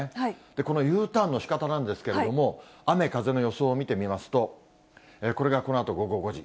このＵターンのしかたなんですけれども、雨風の予想を見てみますと、これがこのあと午後５時。